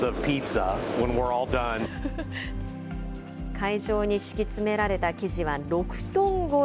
会場に敷き詰められた生地は６トン超え。